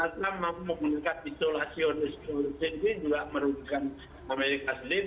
jadi dengan benar benar memiliki isolasi yang disuruh sendiri juga merupakan amerika serikat